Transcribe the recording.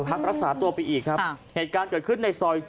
พักรักษาตัวไปอีกครับเหตุการณ์เกิดขึ้นในซอย๗